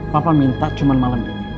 papa minta cuma malam ini